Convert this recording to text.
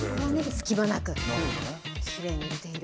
隙間なく、きれいに入れている。